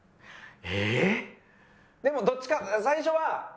えーっ？でもどっちか最初は。